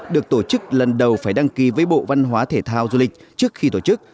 được tổ chức lần đầu phải đăng ký với bộ văn hóa thể thao du lịch trước khi tổ chức